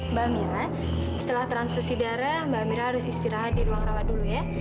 mbak mira setelah transfusi darah mbak mira harus istirahat di ruang rawat dulu ya